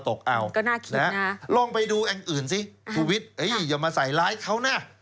ก็น่าคิดนะฮะลองไปดูอังอื่นสิคุณวิทย์อย่ามาใส่ไลค์เขานะ